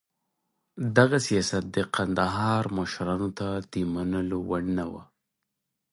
دغه سیاست د کندهار مشرانو ته د منلو وړ نه و.